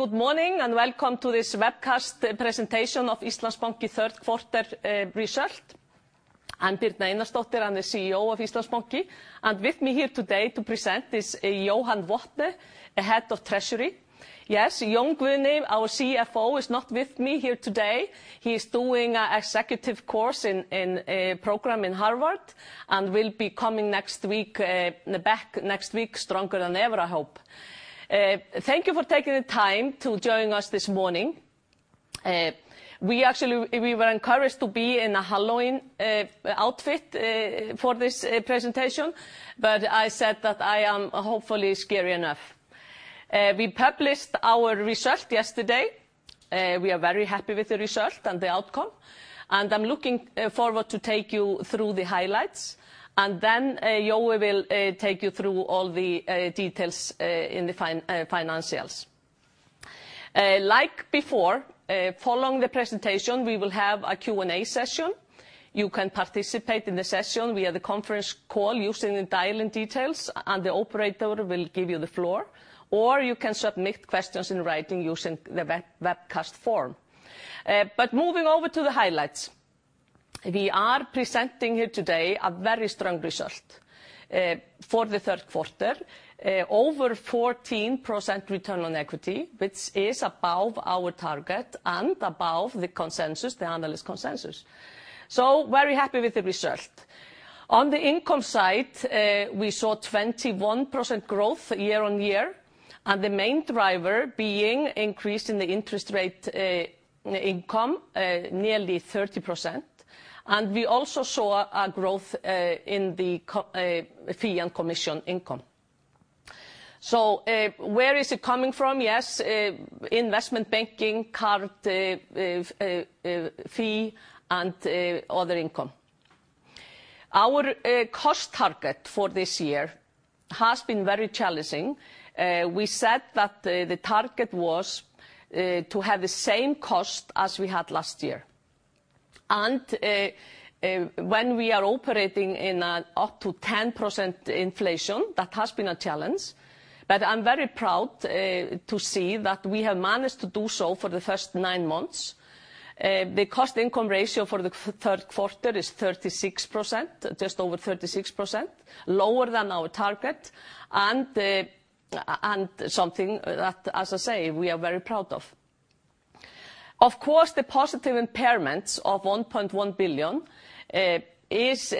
Good morning, and welcome to this webcast, presentation of Íslandsbanki Third Quarter Result. I'm Birna Einarsdóttir. I'm the CEO of Íslandsbanki, and with me here today to present is Jóhann Wathne, Head of Treasury. Yes, Jón Guðni, our CFO, is not with me here today. He's doing a executive course in, program in Harvard, and will be coming next week, back next week stronger than ever, I hope. Thank you for taking the time to join us this morning. We, actually, we were encouraged to be in a Halloween outfit for this presentation, but I said that I am hopefully scary enough. We published our result yesterday. We are very happy with the result and the outcome, and I'm looking forward to take you through the highlights and then Jóhann will take you through all the details in the financials. Like before, following the presentation, we will have a Q&A session. You can participate in the session via the conference call using the dial-in details, and the operator will give you the floor, or you can submit questions in writing using the webcast form. Moving over to the highlights, we are presenting here today a very strong result for the third quarter. Over 14% return on equity, which is above our target and above the consensus, the analyst consensus. Very happy with the result. On the income side, we saw 21% growth year - on -year, and the main driver being increase in the interest rate income, nearly 30%, and we also saw a growth in the fee and commission income. Where is it coming from? Yes, investment banking, card fee, and other income. Our cost target for this year has been very challenging. We said that the target was to have the same cost as we had last year, and when we are operating in up to 10% inflation, that has been a challenge. I'm very proud to see that we have managed to do so for the first nine months. The cost-income ratio for the third quarter is 36%, just over 36%, lower than our target and something that, as I say, we are very proud of. Of course, the positive impairments of 1.1 billion is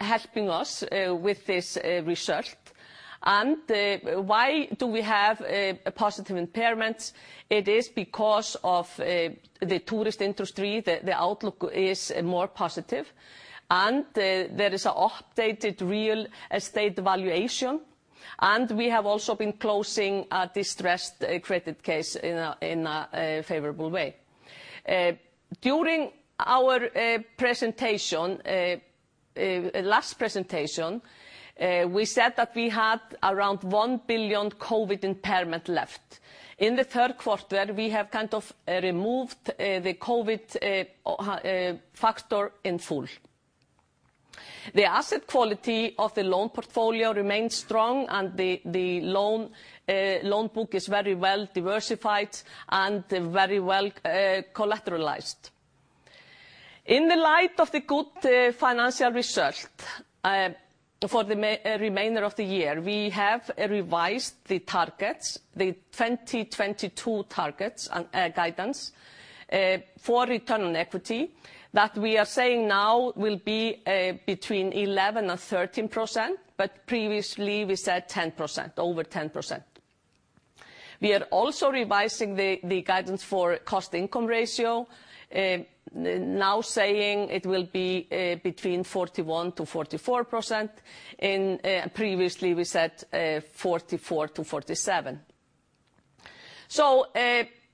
helping us with this result. Why do we have positive impairments? It is because of the tourist industry. The outlook is more positive, and there is an updated real estate valuation, and we have also been closing a distressed credit case in a favorable way. During our last presentation, we said that we had around 1 billion COVID impairment left. In the third quarter, we have kind of removed the COVID factor in full. The asset quality of the loan portfolio remains strong, and the loan book is very well diversified and very well collateralized. In the light of the good financial result for the remainder of the year, we have revised the 2022 targets and guidance for return on equity, that we are saying now will be between 11% and 13%, but previously we said 10%, over 10%. We are also revising the guidance for cost-income ratio, now saying it will be between 41%-44%, and previously we said 44%-47%.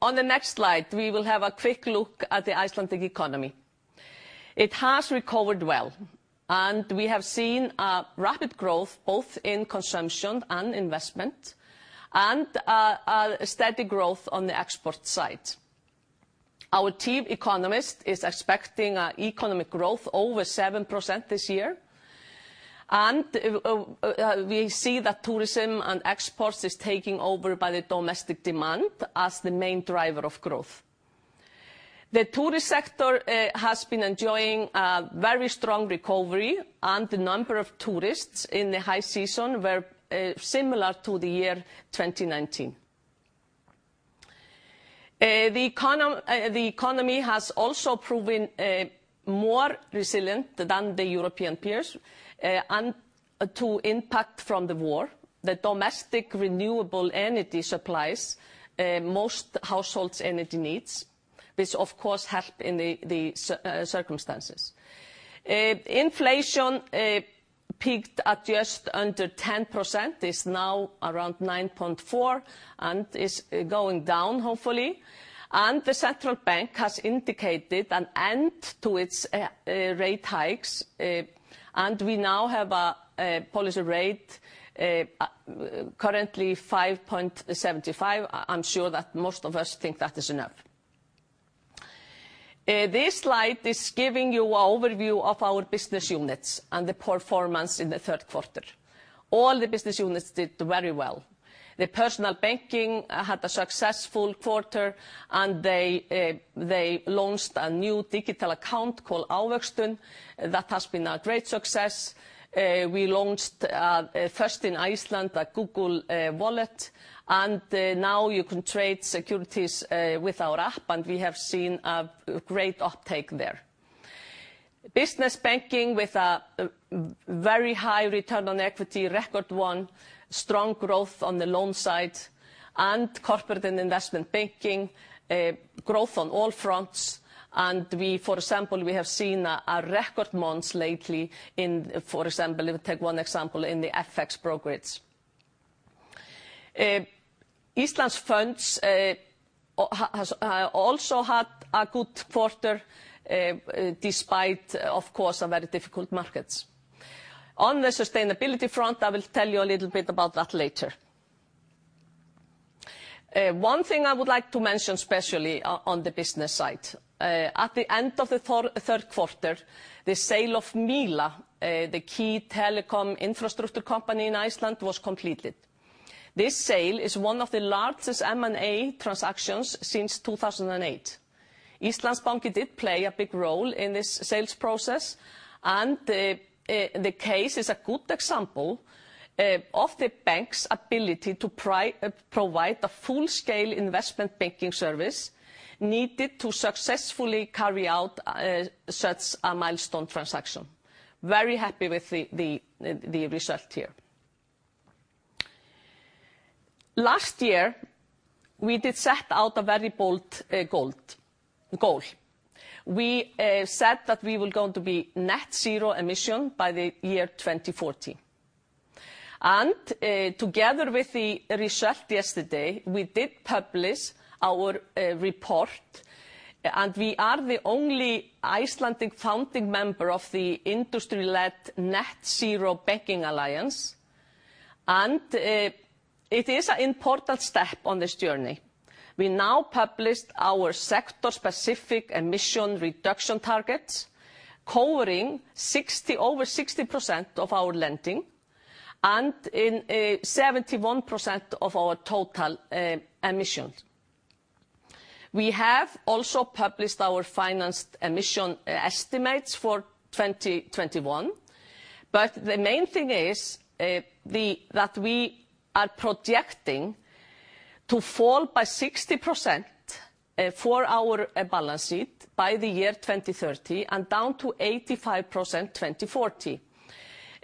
On the next slide, we will have a quick look at the Icelandic economy. It has recovered well, and we have seen a rapid growth both in consumption and investment and a steady growth on the export side. Our chief economist is expecting an economic growth over 7% this year, and we see that tourism and exports is taking over by the domestic demand as the main driver of growth. The tourist sector has been enjoying a very strong recovery, and the number of tourists in the high season were similar to the year 2019. The economy has also proven more resilient than the European peers and to impact from the war. The domestic renewable energy supplies most households' energy needs, which of course help in the circumstances. Inflation peaked at just under 10%, is now around 9.4%, and is going down, hopefully. The central bank has indicated an end to its rate hikes, and we now have a policy rate currently 5.75%. I'm sure that most of us think that is enough. This slide is giving you an overview of our business units and the performance in the third quarter. All the business units did very well. The personal banking had a successful quarter, and they launched a new digital account called Ávaxtun. That has been a great success. We launched first in Iceland, a Google Wallet, and now you can trade securities with our app, and we have seen a great up-take there. Business Banking with a very high return - on - equity, record one, strong growth on the loan side, and Corporate & Investment Banking, growth on all fronts. We, for example, have seen a record months lately in, for example, if we take one example, in the FX brokerage. Íslandssjóðir has also had a good quarter despite, of course, some very difficult markets. On the sustainability front, I will tell you a little bit about that later. One thing I would like to mention especially on the business side, at the end of the third quarter, the sale of Míla, the key telecom infrastructure company in Iceland, was completed. This sale is one of the largest M&A transactions since 2008. Íslandsbanki did play a big role in this sales process, and the case is a good example of the bank's ability to provide the full scale investment banking service needed to successfully carry out such a milestone transaction. Very happy with the result here. Last year, we did set out a very bold goal. We said that we were going to be net-zero emission by the year 2040. Together with the result yesterday, we did publish our report, and we are the only Icelandic founding member of the industry-led Net-Zero Banking Alliance. It is an important step on this journey. We now published our sector-specific emission reduction targets, covering over 60% of our lending, and 71% of our total emissions. We have also published our financed emission estimates for 2021, but the main thing is that we are projecting to fall by 60% for our balance sheet by the year 2030 and down to 85% 2040.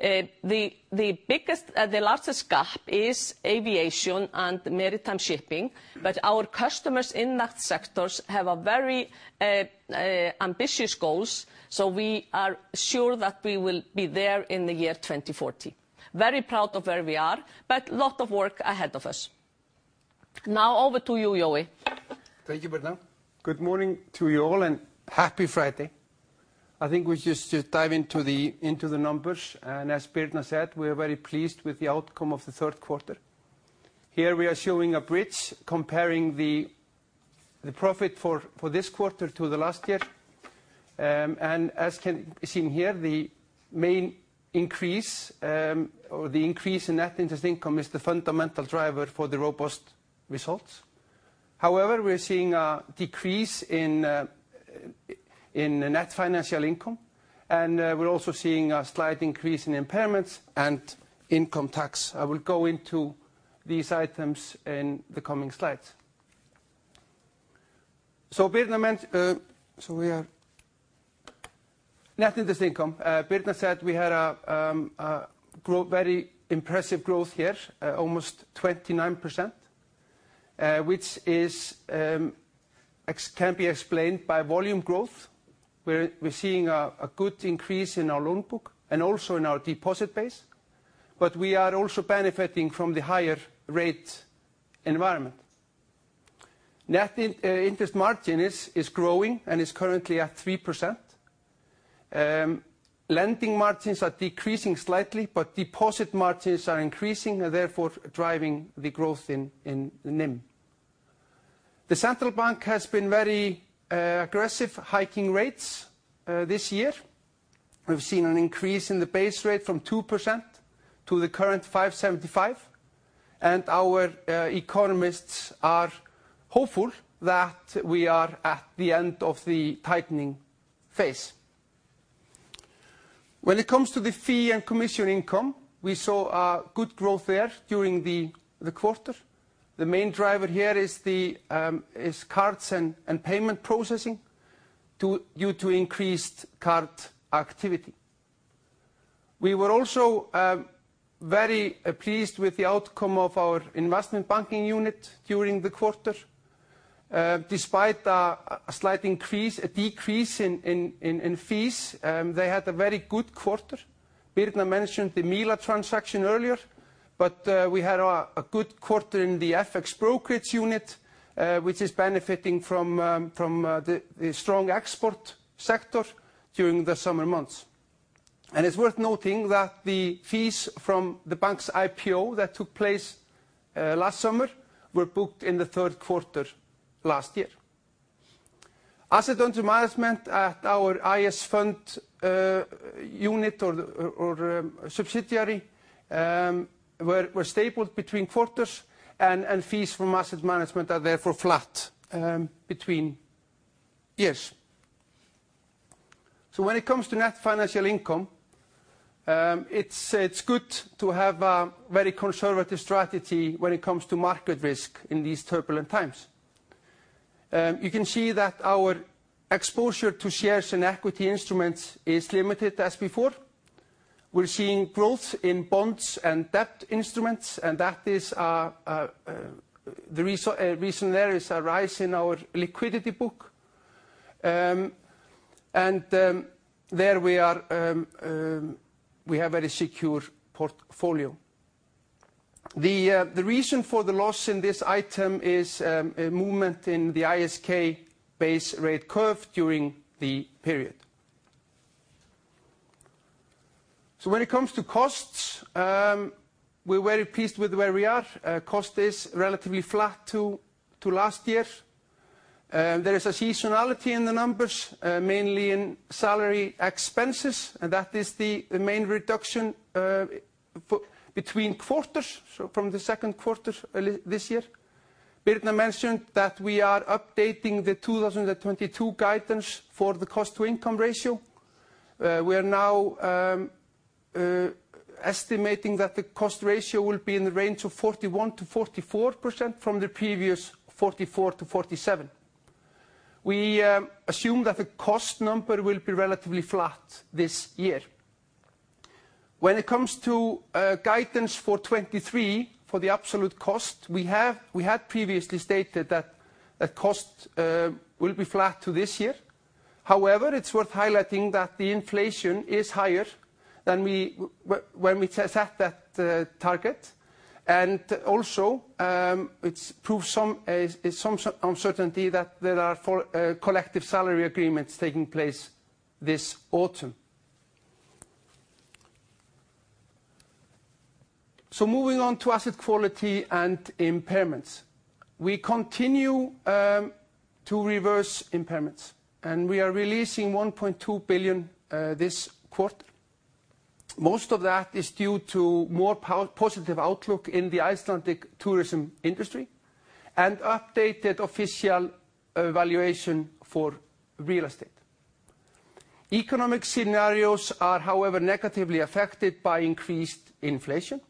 The largest gap is aviation and maritime shipping, but our customers in those sectors have a very ambitious goals, so we are sure that we will be there in the year 2040. Very proud of where we are, but a lot of work ahead of us. Now over to you, Jóhann. Thank you, Birna. Good morning to you all, and happy Friday. I think we just should dive into the numbers, and as Birna said, we are very pleased with the outcome of the third quarter. Here we are showing a bridge comparing the profit for this quarter to last year. As can be seen here, the increase in net interest income is the fundamental driver for the robust results. However, we're seeing a decrease in the net financial income, and we're also seeing a slight increase in impairments and income tax. I will go into these items in the coming slides. Birna meant, so we are... Net interest income, Birna said we had a very impressive growth here, almost 29%, which can be explained by volume growth, where we're seeing a good increase in our loan book and also in our deposit base, but we are also benefiting from the higher rate environment. Net interest margin is growing and is currently at 3%. Lending margins are decreasing slightly, but deposit margins are increasing and therefore driving the growth in NIM. The Central Bank of Iceland has been very aggressive hiking rates this year. We've seen an increase in the base rate from 2% to the current 5.75%, and our economists are hopeful that we are at the end of the tightening phase. When it comes to the fee and commission income, we saw a good growth there during the quarter. The main driver here is cards and payment processing due to increased card activity. We were also very pleased with the outcome of our investment banking unit during the quarter. Despite a slight decrease in fees, they had a very good quarter. Birna mentioned the Míla transaction earlier, but we had a good quarter in the FX brokerage unit, which is benefiting from the strong export sector during the summer months. It's worth noting that the fees from the bank's IPO that took place last summer were booked in the third quarter last year. Assets under management at our Íslandssjóðir unit or subsidiary were stable between quarters and fees from asset management are therefore flat between years. When it comes to net financial income, it's good to have a very conservative strategy when it comes to market risk in these turbulent times. You can see that our exposure to shares and equity instruments is limited as before. We're seeing growth in bonds and debt instruments, and that is the reason there is a rise in our liquidity book. We have a very secure portfolio. The reason for the loss in this item is a movement in the ISK base rate curve during the period. When it comes to costs, we're very pleased with where we are. Cost is relatively flat to last year. There is a seasonality in the numbers, mainly in salary expenses, and that is the main reduction between quarters, so from the second quarter this year. Birna mentioned that we are updating the 2022 guidance for the cost-income ratio. We are now estimating that the cost ratio will be in the range of 41%-44% from the previous 44%-47%. We assume that the cost number will be relatively flat this year. When it comes to guidance for 2023, for the absolute cost, we had previously stated that the cost will be flat to this year. However, it's worth highlighting that the inflation is higher than when we set that target. Also, it's produced some uncertainty that there are four collective salary agreements taking place this autumn. Moving on to asset quality and impairments. We continue to reverse impairments, and we are releasing 1.2 billion this quarter. Most of that is due to more positive outlook in the Icelandic tourism industry and updated official evaluation for real estate. Economic scenarios are, however, negatively affected by increased inflation.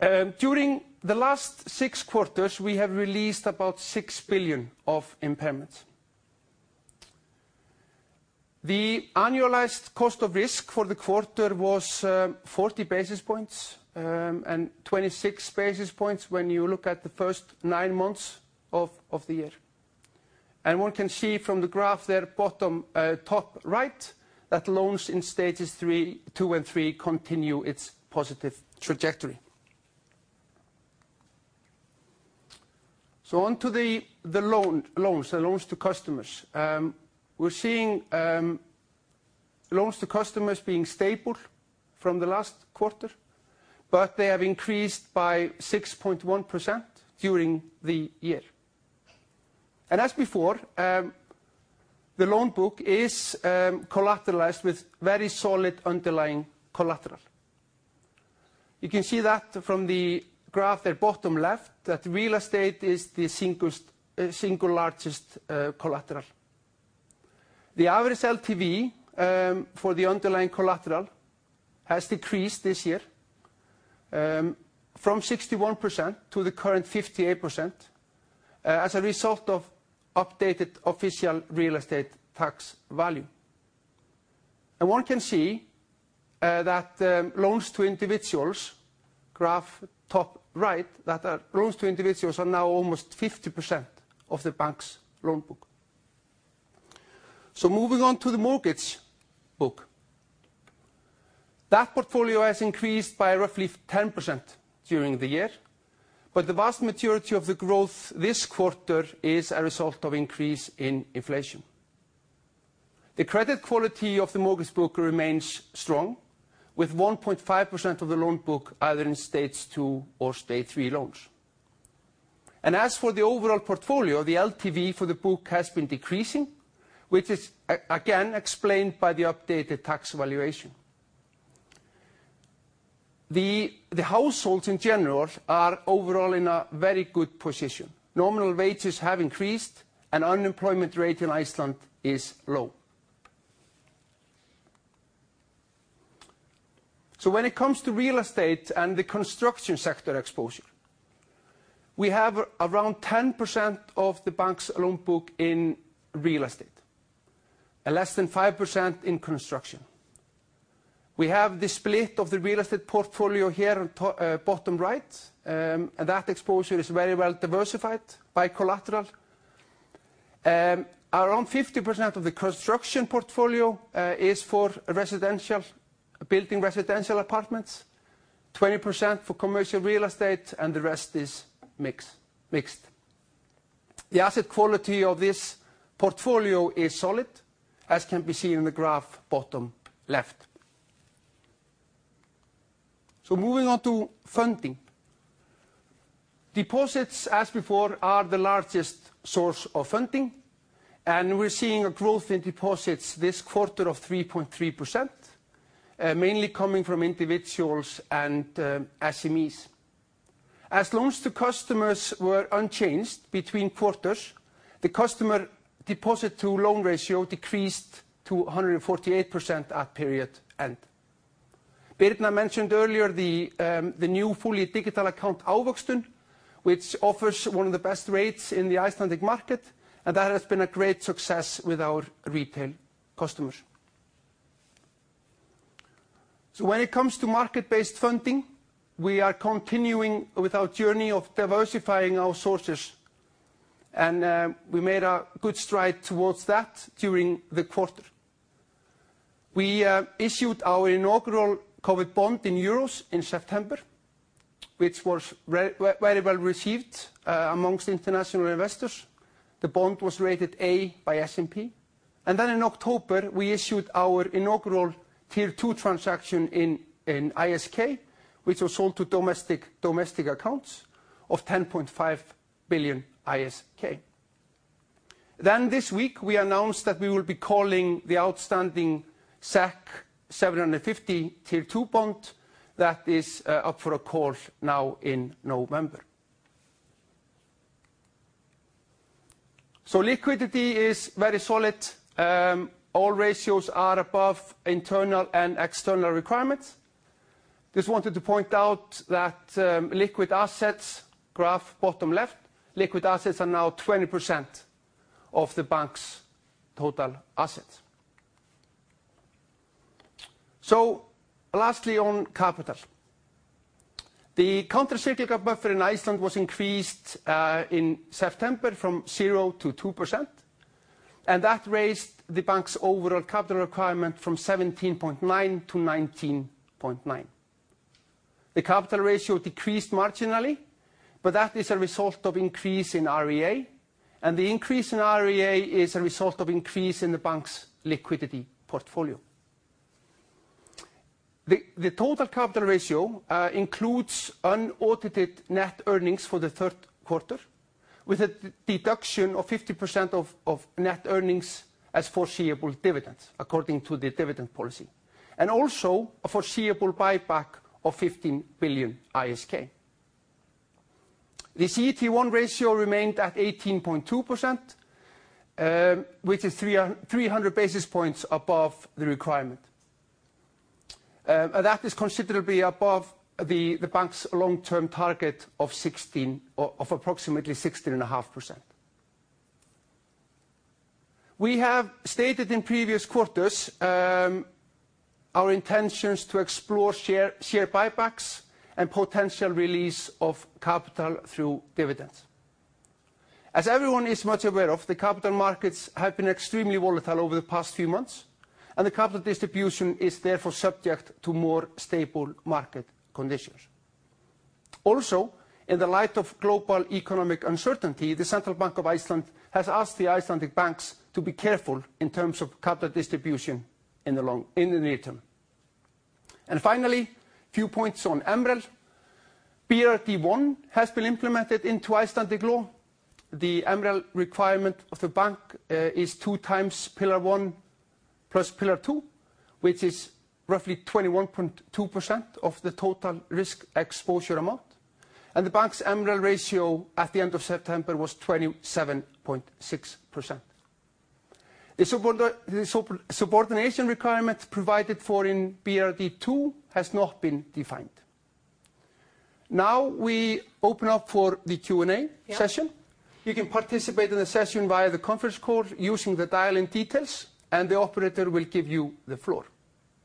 During the last six quarters, we have released about 6 billion of impairments. The annualized cost of risk for the quarter was 40 basis points and 26 basis points when you look at the first nine months of the year. One can see from the graph there, bottom, top right, that loans in stages two and three continue its positive trajectory. Onto loans to customers. We're seeing loans to customers being stable from the last quarter, but they have increased by 6.1% during the year. As before, the loan book is collateralized with very solid underlying collateral. You can see that from the graph there, bottom left, that real estate is the single largest collateral. The average LTV for the underlying collateral has decreased this year from 61% to the current 58% as a result of updated official real estate tax value. One can see that loans to individuals, graph top right, that loans to individuals are now almost 50% of the bank's loan book. Moving on to the mortgage book. That portfolio has increased by roughly 10% during the year, but the vast majority of the growth this quarter is a result of an increase in inflation. The credit quality of the mortgage book remains strong, with 1.5% of the loan book either in stage two or stage three loans. As for the overall portfolio, the LTV for the book has been decreasing, which is again explained by the updated tax valuation. The households in general are overall in a very good position. Nominal wages have increased, and unemployment rate in Iceland is low. When it comes to real estate and the construction sector exposure, we have around 10% of the bank's loan book in real estate and less than 5% in construction. We have the split of the real estate portfolio here on bottom right, and that exposure is very well diversified by collateral. Around 50% of the construction portfolio is for residential, building residential apartments, 20% for commercial real estate, and the rest is mixed. The asset quality of this portfolio is solid, as can be seen in the graph bottom left. Moving on to funding. Deposits, as before, are the largest source of funding, and we're seeing a growth in deposits this quarter of 3.3%, mainly coming from individuals and SMEs. As loans to customers were unchanged between quarters, the customer deposit to loan ratio decreased to 148% at period end. Birna mentioned earlier the new fully digital account Ávaxtun, which offers one of the best rates in the Icelandic market, and that has been a great success with our retail customers. When it comes to market-based funding, we are continuing with our journey of diversifying our sources, and we made a good stride towards that during the quarter. We issued our inaugural COVID bond in euros in September, which was very well received amongst international investors. The bond was rated A by S&P. In October, we issued our inaugural Tier 2 transaction in ISK, which was sold to domestic accounts of 10.5 billion ISK. This week, we announced that we will be calling the outstanding 750 Tier 2 bond that is up for a call now in November. Liquidity is very solid. All ratios are above internal and external requirements. Just wanted to point out that liquid assets, graph bottom left, liquid assets are now 20% of the bank's total assets. Lastly, on capital. The countercyclical buffer in Iceland was increased in September from 0% to 2%, and that raised the bank's overall capital requirement from 17.9% to 19.9%. The capital ratio decreased marginally, but that is a result of increase in REA, and the increase in REA is a result of increase in the bank's liquidity portfolio. The total capital ratio includes unaudited net earnings for the third quarter, with a deduction of 50% of net earnings as foreseeable dividends according to the dividend policy, and also a foreseeable buyback of 15 billion ISK. The CET1 ratio remained at 18.2%, which is 300 basis points above the requirement. That is considerably above the bank's long-term target of 16, or approximately 16.5%. We have stated in previous quarters our intentions to explore share buybacks and potential release of capital through dividends. As everyone is much aware of, the capital markets have been extremely volatile over the past few months, and the capital distribution is therefore subject to more stable market conditions. Also, in the light of global economic uncertainty, the Central Bank of Iceland has asked the Icelandic banks to be careful in terms of capital distribution in the near term. Finally, a few points on MREL. BRRD1 has been implemented into Icelandic law. The MREL requirement of the bank is 2x Pillar 1 plus Pillar 2, which is roughly 21.2% of the total risk exposure amount. The bank's MREL ratio at the end of September was 27.6%. The subordination requirement provided for in BRRD 2 has not been defined. Now we open up for the Q&A session. Yeah. You can participate in the session via the conference call using the dial-in details, and the operator will give you the floor.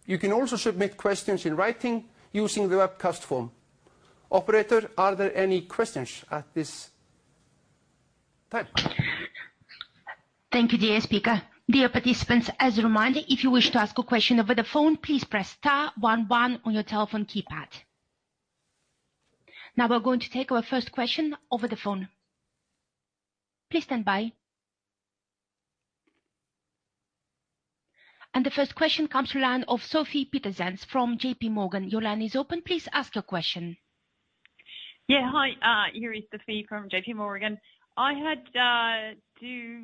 You can also submit questions in writing using the webcast form. Operator, are there any questions at this time? Thank you, dear speaker. Dear participants, as a reminder, if you wish to ask a question over the phone, please press star *11 on your telephone keypad. Now we're going to take our first question over the phone. Please stand by. The first question comes from the line of Sofie Peterzens from JP Morgan. Your line is open. Please ask your question. Yeah. Hi. Here is Sofie from JP Morgan. I had two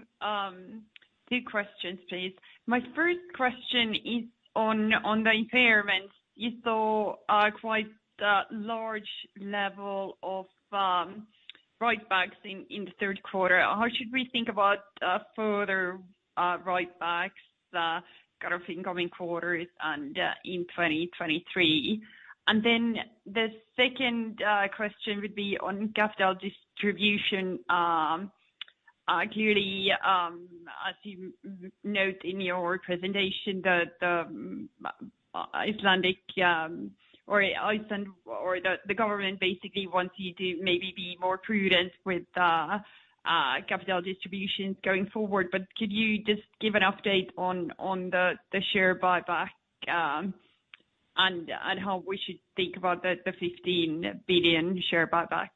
questions, please. My first question is on the impairments. You saw a quite large level of write-backs in the third quarter. How should we think about further write-backs kind of in coming quarters and in 2023? The second question would be on capital distribution. Clearly, as you note in your presentation that the Icelandic or Iceland or the government basically wants you to maybe be more prudent with capital distributions going forward. Could you just give an update on the share buyback and how we should think about the 15 billion share buyback,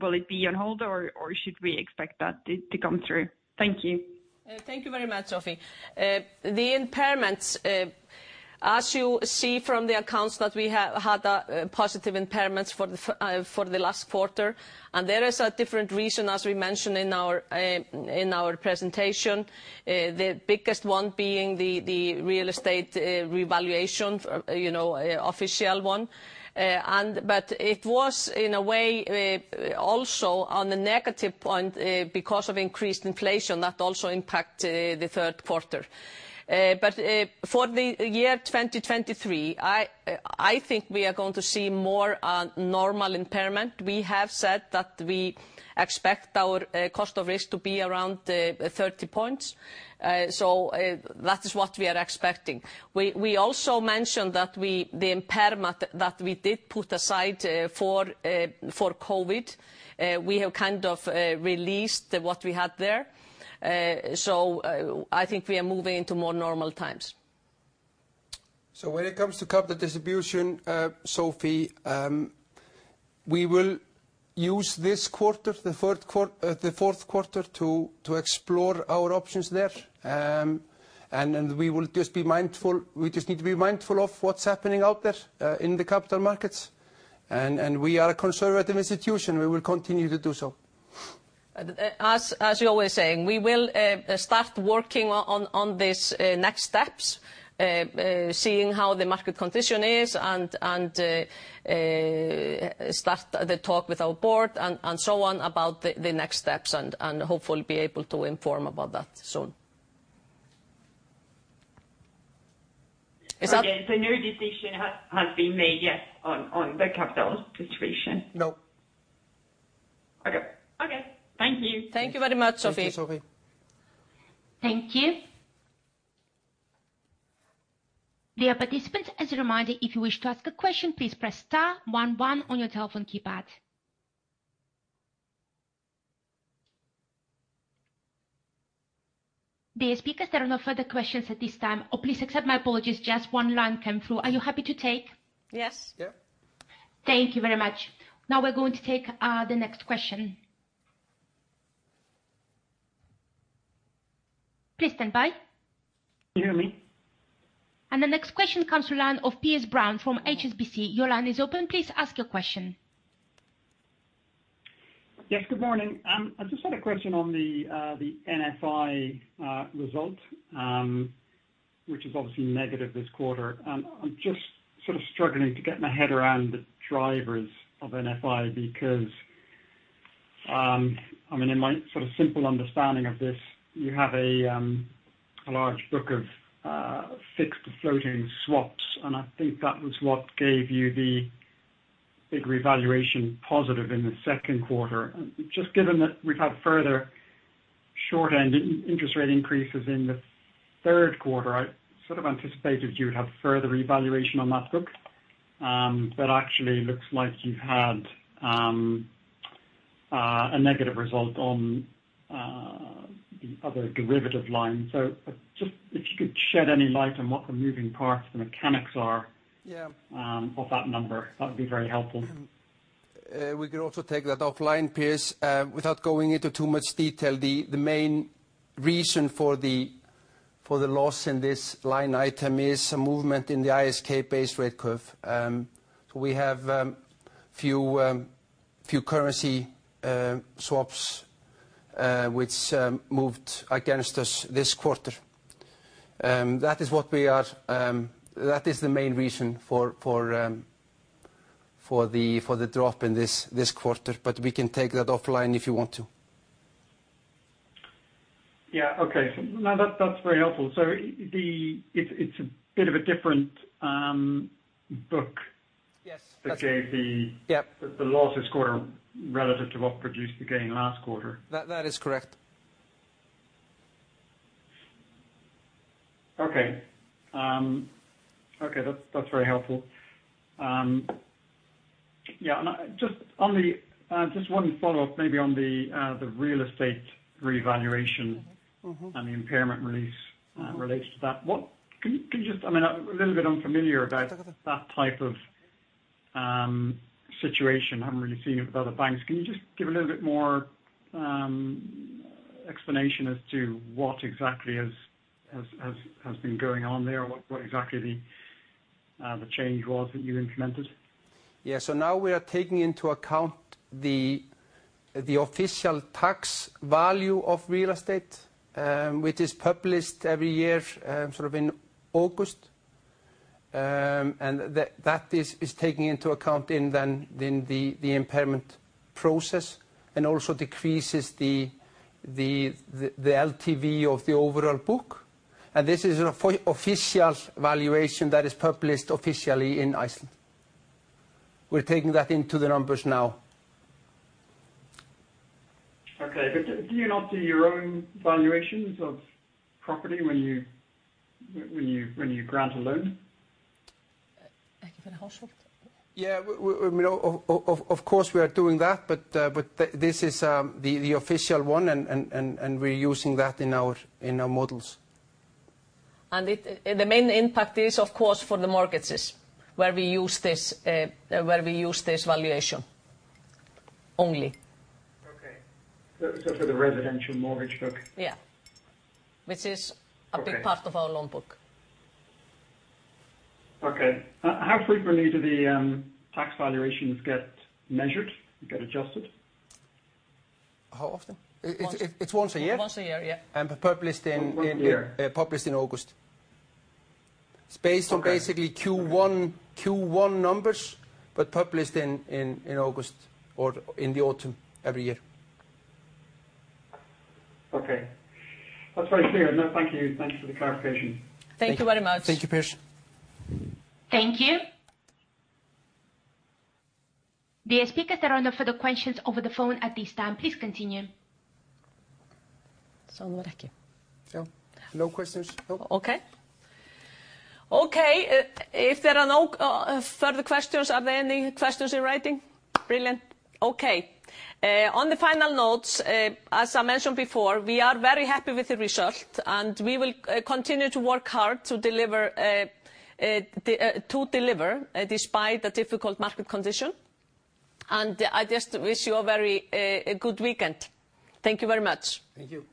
will it be on hold or should we expect that to come through? Thank you. Thank you very much, Sofie. The impairments, as you see from the accounts that we had, positive impairments for the last quarter, and there is a different reason, as we mentioned in our presentation. The biggest one being the real estate revaluation, you know, official one. It was in a way also on the negative point because of increased inflation that also impact the third quarter. For the year 2023, I think we are going to see more normal impairment. We have said that we expect our cost of risk to be around 30 points. That is what we are expecting. We also mentioned that the impairment that we did put aside for COVID. We have kind of released what we had there. I think we are moving to more normal times. When it comes to capital distribution, Sofie, we will use this quarter, the Q4 to explore our options there. We just need to be mindful of what's happening out there in the capital markets. We are a conservative institution, we will continue to do so. as you're always saying, we will start working on this next steps seeing how the market condition is and start the talk with our board and so on about the next steps and hopefully be able to inform about that soon. Is that- Okay. No decision has been made yet on the capital distribution? No. Okay. Okay. Thank you. Thank you very much, Sofie. Thank you, Sofie. Thank you. Dear participants, as a reminder, if you wish to ask a question, please press *11 on your telephone keypad. Dear speakers, there are no further questions at this time, oh, please accept my apologies, just one line came through. Are you happy to take? Yes. Yeah. Thank you very much. Now we're going to take the next question. Please stand by. Can you hear me? The next question comes from the line of Piers Brown from HSBC. Your line is open. Please ask your question. Yes. Good morning. I just had a question on the NFI result, which is obviously negative this quarter. I'm just sort of struggling to get my head around the drivers of NFI because, I mean, in my sort of simple understanding of this, you have a large book of fixed floating swaps, and I think that was what gave you the big revaluation positive in the second quarter. Just given that we've had further short-end interest rate increases in the third quarter, I sort of anticipated you'd have further revaluation on that book. But actually looks like you had a negative result on the other derivative line. Just if you could shed any light on what the moving parts, the mechanics are. Yeah. Of that number, that'd be very helpful. We could also take that offline, Piers. Without going into too much detail, the main reason for the loss in this line item is a movement in the ISK-based rate curve. We have few currency swaps which moved against us this quarter. That is the main reason for the drop in this quarter, but we can take that offline if you want to. Yeah. Okay. No, that's very helpful. It's a bit of a different book- Yes. -that gave the- Yeah. The loss this quarter relative to what produced the gain last quarter. That is correct. Okay, that's very helpful. Yeah. Just on the, just one follow-up maybe on the real estate revaluation. The impairment release related to that. Can you just, I mean, I'm a little bit unfamiliar about that type of situation. I haven't really seen it with other banks. Can you just give a little bit more explanation as to what exactly has been going on there or what exactly the change was that you implemented? Yeah. Now we are taking into account the official tax value of real estate, which is published every year, sort of in August. That is taking into account in the impairment process and also decreases the LTV of the overall book. This is an official valuation that is published officially in Iceland. We're taking that into the numbers now. Do you not do your own valuations of property when you grant a loan? Yeah. We, I mean, of course, we are doing that, but this is the official one and we're using that in our models. The main impact is, of course, for the mortgages where we use this valuation only. Okay. For the residential mortgage book? Yeah. Okay. A big part of our loan book. Okay. How frequently do the tax valuations get measured, get adjusted? How often? Once. It's once a year. Once a year, yeah. Published in Once a year. Published in August. Okay. It's based on basically Q1 numbers, but published in August or in the autumn every year. Okay. That's very clear. No, thank you. Thanks for the clarification. Thank you very much. Thank you, Piers. Thank you. Dear speakers, there are no further questions over the phone at this time. Please continue. No questions? No. Okay. If there are no further questions, are there any questions in writing? Brilliant. Okay. On the final notes, as I mentioned before, we are very happy with the result, and we will continue to work hard to deliver despite the difficult market condition. I just wish you a very good weekend. Thank you very much. Thank you.